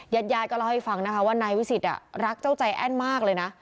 ญาติยายก็เล่าให้ฟังนะคะว่านายวิสิตรักเจ้าใจแอ้นมากเลยนะ